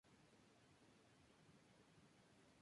Se reparten por una extensa zona geográfica.